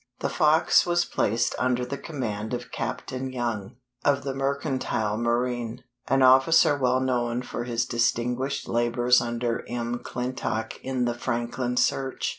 The Fox was placed under the command of Captain Young, of the mercantile marine, an officer well known for his distinguished labors under M'Clintock in the Franklin search.